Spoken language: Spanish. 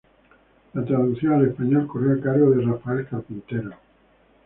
La traducción al español corrió a cargo de Rafael Carpintero.